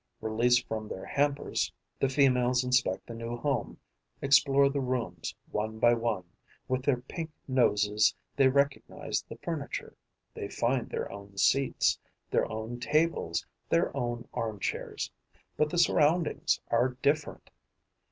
Released from their hampers, the females inspect the new home, explore the rooms one by one; with their pink noses they recognize the furniture: they find their own seats, their own tables, their own arm chairs; but the surroundings are different.